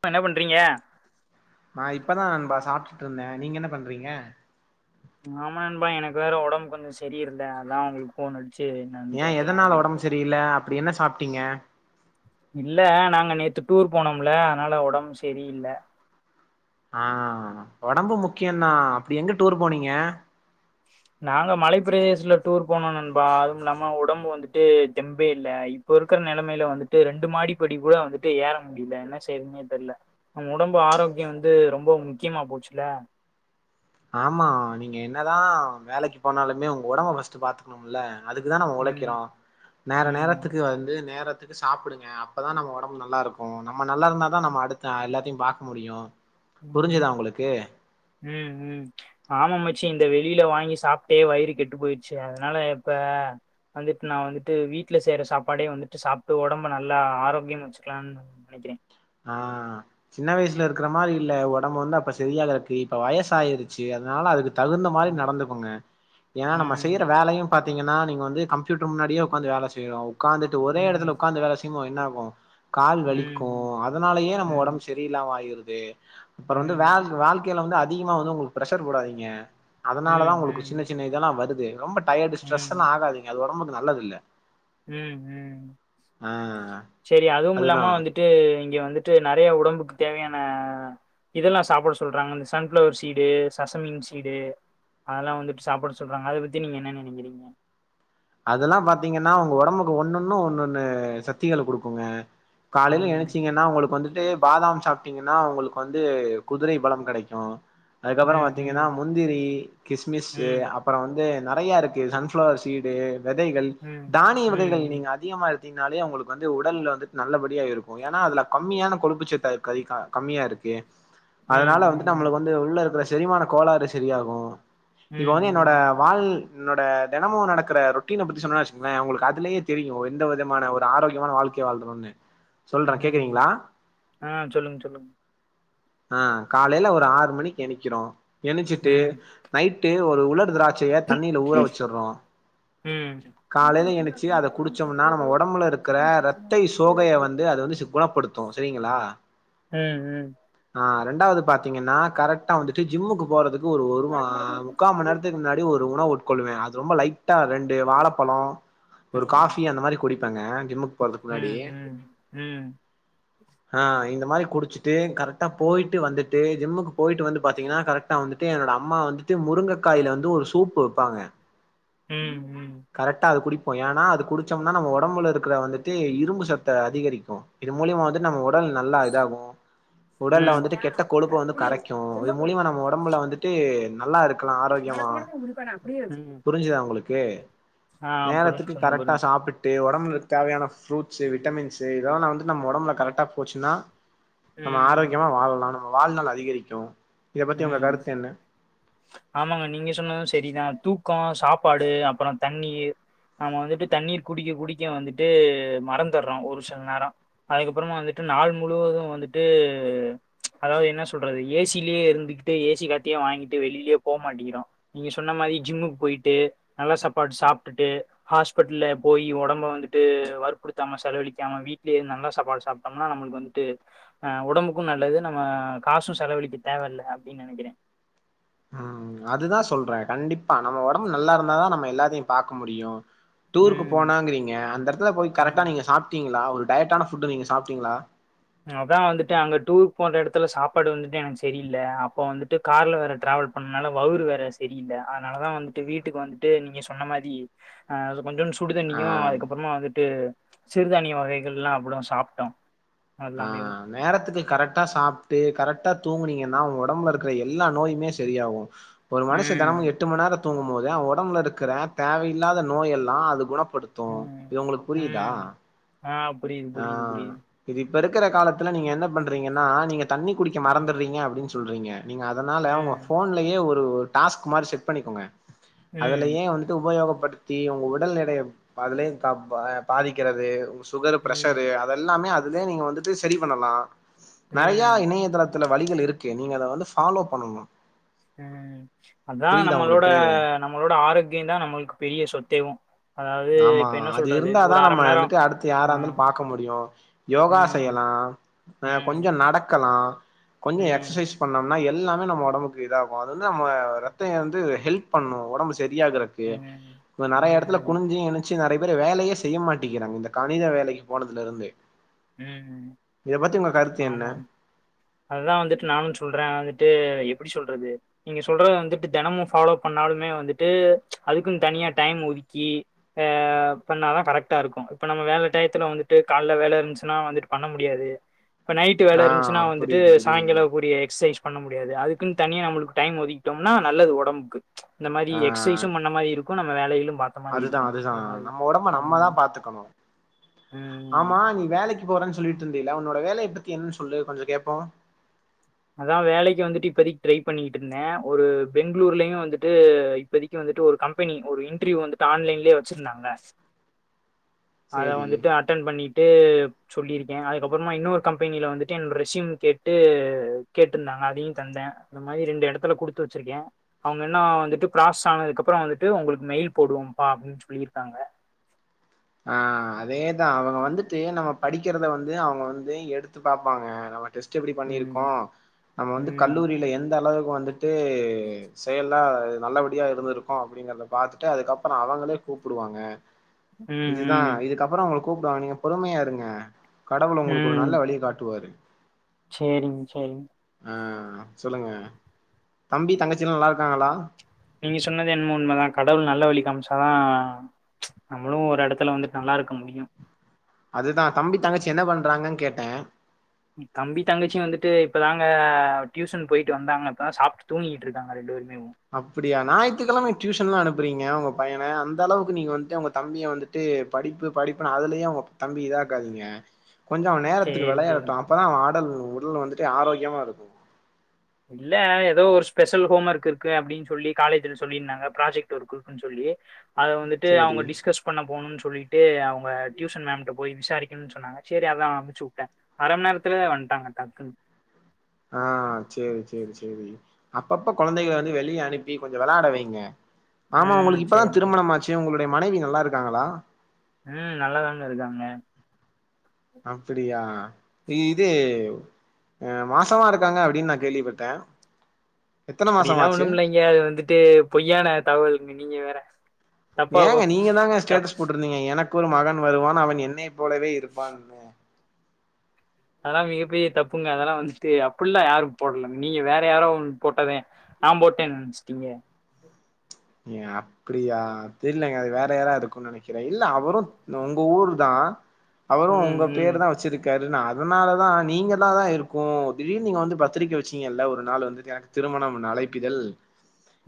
ப்ப என்ன பண்றீங்க நா இப்பதா நண்பா சாப்பிட்டுட்டு இருந்தே நீங்க என்ன பண்றீங்க ஆமா நண்பா எனக்கு வேற ஒடம்பு கொஞ்சோ சரி இல்ல அதா உங்களுக்கு ஃபோன் அடிச் ஏ எதனால உடம்பு சரியல அப்படி என்ன சாப்பி ட்டிங்க இல்ல நாங்க நேத்து டூர் போனோம்ல அனால ஒடம்பு சரியில்ல ஆ ஒடம்பு முக்கிய தா அப்படி எங்க டூர் போனீங்க நாங்க மலைப்பிரதேசல டூர் போனோ நண்பா அதுவு இல்லாம ஒடம்பு வந்துட்டு தெம்பே இல்ல இப்ப இருக்கிற நலைமையில வந்துட்டு ரெண்டு மாடிப்படி கூட வந்துட்டு ஏற முடியல என்ன செய்ரதுனே தெரியல ங்க உடம்பு ஆரோக்கியோ வந்து ரொம்ப முக்கியமா போச்சுல ஆமா நீங்க என்னதா வேலைக்கு போனாலுமே உங்க உடம்ப ஃபஸ்ட் பாத்துக்கணும்ல அதுக்கு தா நம்ம ம் உழைக்கிறோ நேர ம் நேரத்துக்கு வந்து நேர நேரத்துக்கு சாப்பிடுங்க அப்பதா நம்ம உடம்பு நல்லா இருக்கு நம்ம நல்லா இருந்தா தா நம்ம அடுத்த எல்லாத்தையு பாக்க முடியு உ புரிஞ்சுதா உங்களுக்கு உ உ ஆமாமச்சி இந்த வெளில வாங்கி சாப்பிட்டே வயிறு கெட்டு போயிடுச்சு அதனால இப்ப வந்துட்டு நா வந்துட்டு வீட்டுல செய்ற சாப்பாடே வந்துட்டு சாப்பிட்டு உடம்ப நல்லா ஆரோக்கியா வச்சுக்கலாம்னு நனைக்கிறே ஆ சின்ன வயசுல இருக்கிற மாரி இல்ல ஒர் நம்ப வந்து அப்ப சரியால இருக்கு இப்ப வயசாயிருச்சு அதனால அதுக்கு தகுந்த மாரி ம். நடந்துகோங்க ஏன்னா நம்ம செய்யற ம். வேலையு பாத்தீங்கன்னா நீங்க வந்து கம்யூட்டர் முன்னாடியே உக்காந்து வேல செய்ரோ உக்காந்துட்டு ஒரே எடத்துல ம். உக்காந்து வேல செய்மோ என்ன வா கால் வலிக்கு ம். அத் அதனாலேயே நம்ம ம். ஒடம்பு சரியில்லாம ஆயிருது ஏ ம். அப்புற வந்து ம். வாழ்க்கையில வந்து அதிகமா வந்து உங்களுக்கு பிரெஷர் போடாதீங்க ஏ அதனால தா உங்களுக்கு சின்ன ம். சின்ன இதெல்லா வருத் தே ரொம்ப டயடு ஸ்ட்ரெஸ்ஸுனு ஆகாதீங்க அது உடம்பு நல்லது இல்ல உ உ ஆ சரி அதுவு அதுதா இல்லாம வந்துட்டு இங்க வந்து வந்துடு நரயா உடம்புக்கு தேவையான இதெல்லா சாப்பிட சொல்றாங்க இந்த சன்ஃப்ளவர் சீடு சசமிங் சீடு அதெல்லா வந்துட்டு சாப்பிட சொல்றாங்க அத பத்தி நீங்க என்ன நனைக்கிறீங்க அதெல்லா பாத்தீங்கன்னா உங்க உடம்புக்கு ஒண்ணு ஒண்ணு ஒண்ணு ஒண்ணு சக்திகள குடுக்குங்க காலைல ம். எனச்சீங்கன்னா உங்களுக்கு வந்து டு பாதாம் சாப்பிட்டீங்கன்னா உங்களுக்கு வந்து குதிரை பலம் கெடைக்கு அதுக்கு அப்புற ம். ம். பாத்தீங்கன்னா முந்திரி கிஸ்மிஸ்ஸு ம், அப்புற வந்து நறையா இருக்கு சன்ஃப்ளவர் சீட் டே விதைகள் ம், தானிய ம், வகைகள் ம், நீங்க அதிகமா எடு அதீனாலே உங்களுக்கு வந்து உடல்ல வந்துட்டு நல்லபடியாஇருக்கு ஏன்னா அதுல கம்மியான கொழுப்பு சத்து இருக்காது கம்மியா இருக்கு அதனால வந்துட்டு ம், நம்மளுக்கு வந்து உள்ள இருக்கற சத் செரிமான கோளாறு சரியாகு ம், இப்ப வந்து என்னோட ம், வாழ் என்னோட தினமு நடக் இருக்கிற ரோட்டின பத்தி சொன்னா வச்சுங்களே உங்களுக்கு அதுலயே தெரியு எந்த விதமான ஒரு ஆரோக்கியமான வாழ்க்க வாழ்றோனு உ ஆ சொல்லுங்க சொல்லுங்க ஆ காலையில ஒரு ஆறு மணிக்கு எணிக்கிறோ எனிச்சிட்டு ம் நைட்டு இது ஒரு உலர் திராட் ட்சைய தண்ணில ஊற வச்சுறோ ம் உங்களுக்கு காலையில சூடா இனச்சு அத குடிக்கிற உடம்புக்கு குடிச்சோம்னா நம்ம நல்லது வொடம்புல இருக்கிற சிக்கன் ரத்தை சாப்பிடுங்க சூடா சோகையை வந்து குடிக்கும் அது வந்து குணப்படுத்து சரிங்களா ம் ம் ஆ ரெண்டாது பாத்த னிங்கன்னா கரெக்ட்டா வந்துட்டு ஜிம்முக்கு போறதுக் ஒரு ஒருவா மடக்க மடக்க முக்கா குடிச்சிட்டு மணி போகுது நேரத்துக்கு முன்னாடி ஒரு உணவு ஒட் கொல்லுவே அது ரொம்ப லைக் ட்டா ரெண்டு வாழப்பழோ ஒரு ம் காஃபி அந்த மாரி குடிப் ப்பாங்க ஜிம்முக் போறதுக்கு முன்னாடி ம் ம் ம் ஆ இந்த இது மாரி குடிச்சுட்டு கரெக்ட்டா போயிட்டு வந்துட்டு ஜிம்முக்கு போயிட்டு வந்து பாத்தீங்கன்னா கரெக்டா வந்துட்டு என்னோட அம்மா வந்துட்டு முருங்கக் காய்ல வந்து ஒரு சூப்பு வப்பாங்க ம் ம் ஏன்னா அது குடிச்சோம்னா நம்ம வொடம்புல இருக்கிற வந்துட்டு இரும்பு சத்த அதிகரிக்கு இது மூலியமா வந்து நம்ம உடல் நல்லா இதாகு உடல்ல ம் வந்துட்டு கெட்ட கொழுப்ப வந்து குடு கரைக்கு செம்ப இது குடு மூலியமா நம்ம வொடம்புல வந்துட்டு நல்லா இருக்கலா மடக்க ஆரோக்கியமா மடக்க குடிப்பேன் அப்படியே ம் புரிஞ்சுதா உங்களுக்கு ஆ நேரத்துக்கு புரிஞ்சு சொன்ன கரெட்டா புரிஞ்சு சாப்ட்டுட்டு வொடம் நம்மளுக்கு தேவையான ஃப்ரூட்சு விட்டமின்ஸ் இதெல்லா வந்து நம்ம வொடம்புல கரெட்டா போச்சுன்னா நம்ம ம் ஆரோக்கியமா வாழ்லா வாழ் நாள் அதிகரிக்கு இத பத்தி ஆ உங்க கருத்து என்ன ஆமங்க நீங்க சொன்னா சரிதா தூக் தூக்கம் சாப்பாடு அப்பறம் தண்ணீர் நம்ம வந்துட்டு தண்ணீர் குடிக்க குடிக்க வந்துட்டு மறந்தர்றோ ஒரு சில நேர அதுக்கப்பறம் வந்துட்டு நாள் முழுவது வந்துட்டு அதாது என்ன சொல்றது ஏ சிலே இருக் இதுகிட்டே ஏ சி காத்து வாங்கிட்டு வெளில போ மாட்டிக்கிறோ நீங்க சொன்ன மாரி ஜிம்முக்கு போயிட்டு நல்ல சாப்பாடு சாப்ட்டுட்டு ஹாஸ்பிடல்ல போய் வொடம்ப வந்துட்டு வற்புடுத்தாம செலவழிக்காம வீட்லே நல்ல சாப்பாடு சாப்ட்டோம்னா நம்ம வந்துட்டு அ வொடம்புக்கு நல்லது நம்ம காசு செலவழிக்க தேவயில்ல அப்டின்னு நெனக்கிறே ஆ அதுதா சொல்றே கண்டிப்பா நம்ம வொடம்பு நல்லா இருந்தாதா நம்ம எல்லாத்தையு பாக்க முடியு டூருக்கு ம், போனாங்கிறீங்க அந்த எடத்துல போய் கரெட்டா ம். நீங்க சாப்ட்டீங் ல ஒரு டயட்டான ஃபுட் நீங்க சாப்ட்டிங்களா அதா வந்துட்டு அங்க டூரு போற எடத்துல சாப்பாடு வந்துட்டு எனக்கு சரியில்ல அப்போ வந்துட்டு கார்ல வேற டிராவல் பண்ணதுனால வவுரு வேற சரியில்ல அதனாலதா வந்துட்டு வீட்டுக்கு வந்துட்டு நீங்க சொன்ன மாரி ஆ கொஞ்சோன்டு சு ஆ சுடுதண்ணியு அதுக்கப்பறமா வந்துட்டு சிறுதானிய வகைகள் எலா அவ்ளோ சாப்ட்டோ ஆ நேரத்துக்கு கரெட் ட்டா சாப்ட்டு கரெக்ட்டா தூங்கினீங்கன்னா வொங்க வொடம்புல இருக்குற எல்லா நோயுமே சரியாவு ஒரு மனுஷ தெனமு ம். எட்டு மணி நேர தூங்கும் போது அவ வொடம்புல இருக்குற தேவையில்லாத நோய் எல்லா அது குணப்ப படுத்து ம். இது உங்களுக்கு புரியுதா புரியிது ஆ புரியிது புரியிது இது இப்ப இருக்கிற காலத்துல நீங்க என்ன பண்றீங்கன்னா நீங்க தண்ணி குடிக்க ம். மறந்துறீங்க அப்டின் சொல் துள்றீங்க நீங்க அதனால அவங்க ம். போன்லேயே ஒரு டாஸ்க் மாரி செட் பண்ணிக்கோங்க ம். அதுலேயே வந்துட்டு உபயோகப் படுத்தி உங்க உடல் எடய அதிலே கப் பாதிக்கிறது சுகர ம். பிரெஷரு அதெல்லாமே அது அதுலே நீங்க வந்துட்டு சரி பண்ணலா நெறைய ம். இணையத்தளத் இதுல வழிகள் இருக்கு நீங்க அத வந்து ஃபாலோ பண்ணணு ம் அதா நம்மளோட நம்மளோட ஆரோக் ங்கியுதா நம்மளுக்கு பெரிய சொத்தேவு ஆமா அது இருந்தாதா நம்ம நேரம் வந்துட்டு அடுத்து யாரா ஆ இருந்தாலு பாக்க முடியு யோகா ம் செய்யலா ம் கொஞ்சோ நடக்கலா [inaudible] கொஞ்சோ ம் எக்சசைஸ் பண்ணோம் ஆனா எல்லாமே நம்ம வொடம்புக்கு இதாகு அது வந்து நம்ம ரத்த வந்து ஹெல்ப் பண்ணு வொடம்பு ச சரியாகரக்கு ம் இப்ப நெறைய எடத்துலப் ம் நெனைச்சு நெறைய பேர் வேலையே செய்ய மாட்டிக்கிறாங்க இந்த கணித வேலைக்கு போனதுல இருந்து ம் ம் இத பத்தி உங்க கருத்து என்ன ஆமா அததா வந்துட்டு நானு சொல்றே வந்துட்டு எப்டி சொல்றது நீங்க சொல்ற வந்துட்டு தெனமு ஃபாலோ பண்ணாலுமே வந்துட்டு அதுக்கும் தனியா டைம் ஒதுக்கி அ பண்ணாதா கரெட்டா இருக்கு இப்ப நம்ம வேல டையத்துல வந்துட்டு கால்ல வல இந்துச்சி னா வந்துட்டு பண்ண முடியாது இப்போ நைட்டு வேல ஆ இருந்துச்சுன்னா வந்துட்டு புரியுது புரியுது சாயங்காலே கூடிய எக்சைஸ் பண்ண முடியாது அதுக் க்குன்னு தனியா நம்மளுக்கு டைம் ஒதிக்கிட்டோமனா நல்லது வொடம்புக்கு இந்த மாரி ஆ எக்சைஸும் பண்ண மாரி இருக்கு நம்ம வேலைகளு பாத்த மாரி அதுதா இருக்கு அதுதா இந்த மாரி நம்ம ஒடம்ப நம்மதா ம் பாத்துக்கணு ம் ஆமா நீ வேலைக்கு போறேன்னு சொல்லிட்டு இருந்தல உன்னோட வேலய பத்தி என்னன்னு சொல்லு கொஞ்ச கேப்போ அதா வேலைக்கு வந்துட்டு இப்போதைக்கு ட்ரை பண்ணிட்டு இருந்தே ஒரு பெங்களூர்லயு வந்துட்டு இப்பதக்கு வந்துட்டு ஒரு கம்பெனி ஒரு இன்டிரிவ் வந்துட்டு ஆன்லைன்லயே வச்சுருந்தாங்க அத சேரி வந்துட்டு அட்டன் பண்ணி ட்டு சொல்லியிருக்கே அதுக்கப்புறமா இன்னொரு கம்பெனியில வந்துட்டு என் ரெசியும் கேட்டு கேட்டிருந்தாங்க அதியு தந்தே அந்த மாரி ரெண்டு எடத்துல குடுத்து வச்சிருக்கே அவுங்க இன்னோ வந்துட்டு பிர்ராஸ் ஆனதுக்கு அப்புறோ வந்துட்டு உங்களுக்கு மெயில் போடுவோபா அப்பிடின் சொல்லிருக்காங்க ஆ அதேதா அவுங்க வந்துட்டு நம்ம படிக்கிறத வந்து அவுங்க வந்து எடுத்து பாப்பாங்க நம்ம டெஸ்ட் எப்பிடி ம் பண்ணிருக்கோ நம்ம வந்து ம் கல்லூரியில எந்த அளவுக் வந்துட்டு செயல்லா நல்லபடியா இருந்திருக்கு அப்பிடிங்கறத பாத்துட்டு அதுக்கப்புறோ அவங்களே கூப்புடுவாங்க ம் இதுதா ம் இதுக்கப்புறோ உங்களுக் கூப்புடுவாங்க நீங்க பொறுமையா இருங்க கடவுள உங்களுக்கு ஒரு ம் நல்ல வழிய காட்டுவாரு சேரிங்க சேரிங்க ஆ சொல்லுங்க தம்பி தங்கச் நீங்க சொன்னது என்மோ உண்மதா கடவுள் நல்ல வழிக்கமிச் ததா நம்மளு ஒரு எடத்துல வந்துட்டு நல்லா இருக்க முடியு அதுதா தம்பி தங்கச்சி என்ன பண்றாங்கன்னு கேட்டே தம்பி தங்கச்சி வந்துட்டு இப்பதாங்க டியூஷன் போயிட்டு வந்தாங்க இப்பதா சாப்பிட்டு தூங்கிட்டு இருக்காங்க ரெண்டு பேரு அப்பிடியா ஞாயி்த்துக்கிழம ந டியூஷன் எல்லா அனுப்புறீங்க உங்க பையன அந்த அளவுக்கு நீங்க வந்துட்டு உங்க தம்பிய வந்துட்டு படிப்பு படிப்புன்னு அதிலியே உங்க தம்பி இதாக்காதீங்க கொஞ்சோ அவ நேரத்துக்கு சரி, சரி. விளையாட்டு அப்பதா அவ ஆ உடல் உடல் வந்துட்டு ஆரோக்கியமா இருக்கு இல்ல ஏதோ ஒரு ஸ்பெஷல் ஹோம் ஒர்க் இருக்கு அப்பிடின் சொல்லி காலேஜ்ன் சொல்லிருந்தாங்க ப்ராஜெக்ட் ஒர்க் இருக்குன்னு சொல்லி அத வந்துட்டு சரி அவுங்க டிஸ்கஸ் பண்ண போணுன் சொல்லிட்டு அவுங்க டியூசன் மேம்ட்டு போய் விசாரிக்கணுன் சொன்னாங்க சேரி அதா அனுச்சுவுட்டே அரமண் நேரத்துல வந்துட்டாங்க டக்குன்னு ஆ சேரி சே சேரி சேரி அப்பப்ப கொழந்தைகள வந்து வெளிய அனுப்பி கொஞ்ச விளையாட வைங்க ஆமா ம். உங்களுக்கு இப்பதா சரி, சரி. திருமணமாச்சி உங்களுக் டை மனைவி நல்லா இருக்காங்களா ம் நல்லாதாங்க இருக்காங்க அப்பிடியா இது அ மாசமா இருக்காங்க அப்பிடின் நா கேள்விப்பட்டே அப்பிடில்லா ஒன்னு இல்லைங்க அது வந்துட்டு பொய்யான தகவல்ங்க நீங்க வேற தப்பா ஏங்க நீங்கதாங்க தப் ஸ்டேட்டஸ் போட்டிருந்தீங்க எனக் க்கு ஒரு மகன் வருவான் அவன் என்னெய் போலவே இருப்பான்னு அதெல்லா மிகப்பெரிய தப்புங்க அதெல்லா வந்துட்டு அப்புட்ல்லா யாரும் போடல நீங்க வேற யாரோ போட்டதே நா போட்டேன்னு நெனச்சுட்டீங்க ஏ அப்டியா தெரியலங்க அது வேற யாராவது இருக்கு நெனக்குறே இல்ல அவரு உங்க ஊர் தா அவரு ம், ஒங்க ம். பேரு தா வச்சிருக்காரு இ அதனாலதா நீங்க த தா இருக்கு திடீர்னு நீங்க வந்து பத்திரிக்கை வச்சீங்கல்ல ஒரு நாள் வந்து எனக்கு திருமணம் அழைப்பிதல்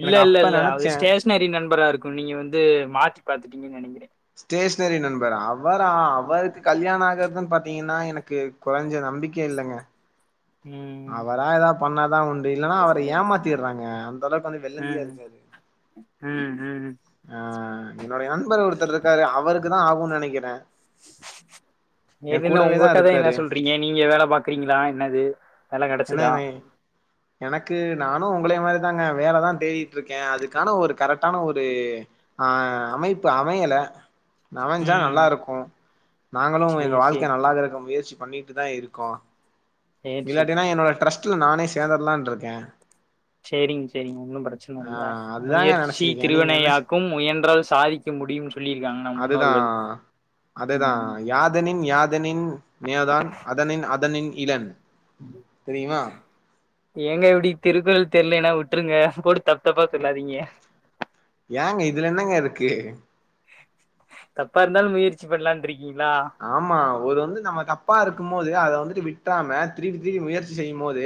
இல்ல இல்ல இல்ல அது ஸ்டேஷனரி நண்பரா இருக்கு நீங்க வந்து மாத்தி பாத்துட்டீங்கு நெனக்குறே ஸ்டேஷ்னரி நண்பரா அவரா ஆம். அவருக்கு கல்யாண ஆகாது பாத்தீங்கனா எனக்கு கொறஞ்ச நம்பிக்க இல்லங்க ம். அவரா எதா பண்ணா தா உண்டு இப்டி இல்லனா அவர ஏமாத்திற்றாங்க அந்த அளவுக்கு வந்து வெள்ளந்தியா ம், இருக்காரு ம், ம். ஆஆ என்னோடைய நண்பர் ஒருத்தர் இருக்காரு அவருக்கு தா ஆகுன்னு நெனக்குறே என் என்னன்னா உங்க கூடவேதா கத என்ன இருக்காரு சொல்றீங்க? நீங்க வேல பாக்குறீங்களா? என்னது? வேல கெடச்சதா? ஏன்ன எனக்கு நானுமஉங்களை மாதிரிதாங்க வேலதா தேடிட்டு இருக்கே அதுக்கான ஒரு கரெக்டான ஒரு ஒரு ஆ அமைப்பு அமையல அமஞ்சா ம். நல்லா இருக்கு நாங்களு சரி, எங்க சரி, வாழ்க்க நல்லாதா இருக்க முயற்சி பண்ணிட்டு தா இருக்கோ சரி, சரி. இல்லாட்டினா என்னோட ட்ரஸ்ட் ட்ரஸ்ல நானே சேர்ந்தறலான்னு இருக்கே சேரிங்க சேரிங்க ஒன்னும் பிரச்சன இல்ல அதுதாங்க முயற்சி நெனச்சிருக்கே நீங்க என்ன சொ திருவினையாக்கும் முயன்றால் சாதிக்க முடியும்னு சொல்லியிருக்காங்க நம் அதுதா முன்னோர்கள் ம் இன் யாத அதனின் நேதா அதனின் அதனின் இளன் தெரியுமா ஏங்க இப்டி திருக்குறள் தெரியுலேன்னா விட்ருங்க போட்டு தப்பு தப்பா சொல்லாதீங்க ஏங்க இதுல என்னங்க இருக்கு தப்பா இருந்தாலு முயற்சி பண்லா இருக்க ஆமா இவரு வந்து நம்ம தப்பா இருக்கும் போது அத வந்து விட்டாம திருப்பி திருப்பி முயற்சி செய்யும் போது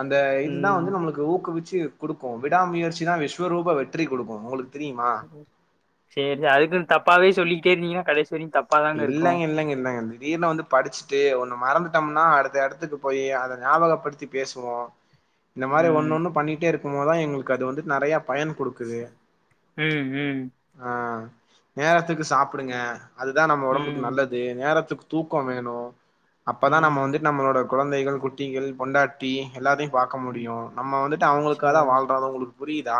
அந்த இதுதா ம் வந்து நம்மளுக்கு ஊக்குவிக் சி குடுக்கு விடாம முயற்சி தா விஸ்வரூப வெற்றி குடுக்கு உங்களுக்கு தெரியுமா சேரி அதுக்குன்னு தப்பாவே சொல்லி டேருந்தீங்க கடைசி வரையு தப்பாதாங்க இருக்கு இல்லலைங்க இல்லங்க இல்லங்க தீடீர்னு வந்து படிச்சுட்டு ஒன்னு மறந்து டம்னா அடுத்த எடத்துக்கு போய் அத ஞாபகப்படுத்தி பேசுவோ இந்த மாரி ஒன்ன ம் ஒண்ணு பண்ணிட்டே இருக் [unintelligible] எங்களுக்கு அது வந்து நறைய பயன் குடுக்குது ம் ம் ஆ நேரத்துக்கு சாப்பிடுங்க அது அதா நம்ம ஒடம்புக்கு ம் நல்லது நேரத்துக் தூக்க வேனு அப்பதா நம்ம ம் வந்துட்டு நம்மளோட குழந்தைகள் குட்டிகள் பொண்டாட்டி எல்லாத்தையு பாக்க ம் முடியு நம்ம வந்துட்டு அவங்காக தா வாழ்றாங்களுக்கு புரியுதா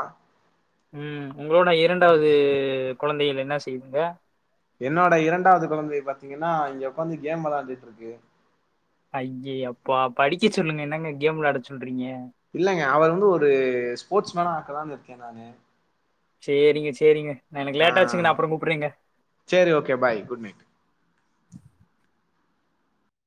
உ உங்களோட இரண்டாவது குழந்தைகள் என்ன செய்துங்க என்னோட இரண்டாவது குழந்தைய பாத்தீங்கன்னா இங்க உக்காந்து கேம் விளையாண்டுட்டு இருக்கு ஐய்யயப்பா படிக்க சொல்லுங்க என்னங்க கேம்ல விளையாட சொ இல்லலைங்க அவர் வந்து ஒரு ஸ்போர்ட்ஸ் மேனாக்கலானு கேனானு செரிங்க செரிங்க ஆ சரி ஓகே பாய் குட் நைட்